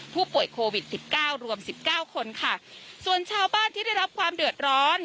ผู้ป่วยโควิดสิบเก้ารวมสิบเก้าคนค่ะส่วนชาวบ้านที่ได้รับความเดือดร้อน